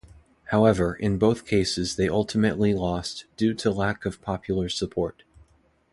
However, in both cases they ultimately lost due to lack of popular support.